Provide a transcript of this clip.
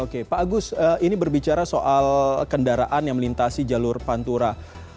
oke pak agus ini berbicara soal kendaraan yang melintasi jalur pantura